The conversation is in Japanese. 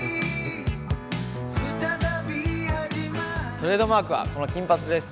トレードマークは、この金髪です。